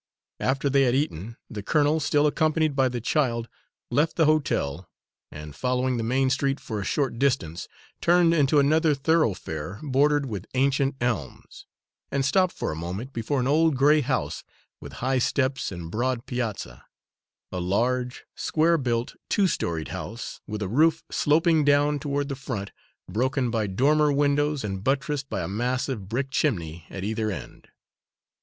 After they had eaten, the colonel, still accompanied by the child, left the hotel, and following the main street for a short distance, turned into another thoroughfare bordered with ancient elms, and stopped for a moment before an old gray house with high steps and broad piazza a large, square built, two storied house, with a roof sloping down toward the front, broken by dormer windows and buttressed by a massive brick chimney at either end.